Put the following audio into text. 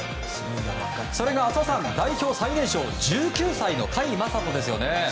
それが浅尾さん、代表最年少１９歳の甲斐優斗ですよね。